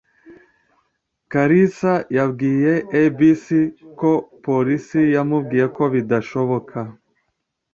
Kalisa yabwiye ABC ko polisi yamubwiye ko bidashoboka